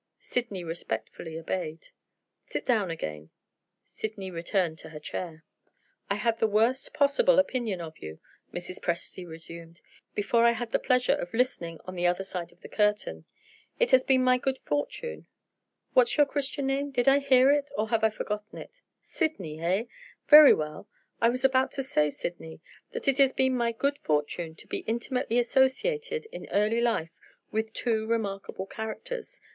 Sydney respectfully obeyed. "Sit down again." Sydney returned to her chair. "I had the worst possible opinion of you," Mrs. Presty resumed, "before I had the pleasure of listening on the other side of the curtain. It has been my good fortune what's your Christian name? Did I hear it? or have I forgotten it? 'Sydney,' eh? Very well. I was about to say, Sydney, that it has been my good fortune to be intimately associated, in early life, with two remarkable characters.